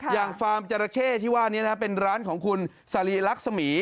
อย่างฟาร์มจราเข้ที่ว่านี้นะฮะเป็นร้านของคุณสารีรักษมี